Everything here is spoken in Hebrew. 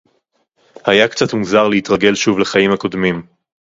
הָיָה קְצָת מוּזָר לְהִתְרַגֵל שוּב לַחַיִים הַקוֹדְמִים.